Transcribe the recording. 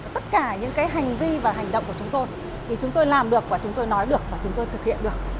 tất cả những hành vi và hành động của chúng tôi thì chúng tôi làm được và chúng tôi nói được và chúng tôi thực hiện được